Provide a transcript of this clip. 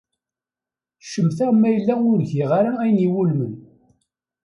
Cemteɣ ma yella ur giɣ ara ayen iwulmen.